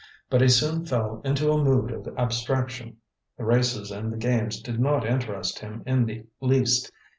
But he soon fell into a mood of abstraction. The races and the games did not interest him in the least.